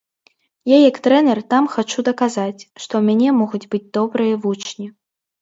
Я як трэнер там хачу даказаць, што ў мяне могуць быць добрыя вучні.